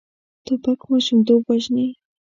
توپک ماشومتوب وژني.